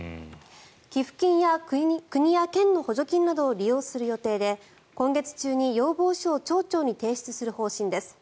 寄付金や国や県の補助金などを利用する予定で今月中に要望書を町長に提出する方針です。